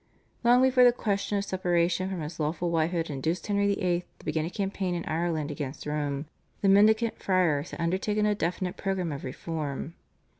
Long before the question of separation from his lawful wife had induced Henry VIII. to begin a campaign in Ireland against Rome, the Mendicant Friars had undertaken a definite programme of reform.